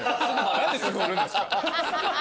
何ですぐ売るんですか。